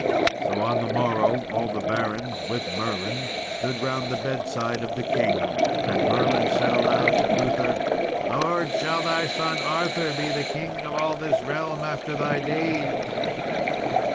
So on the morrow all the barons, with Merlin, stood round the bedside of the king; and Merlin said aloud to Uther, "Lord, shall thy son Arthur be the king of all this realm after thy days?"